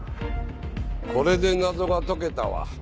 これで謎が解けたわ。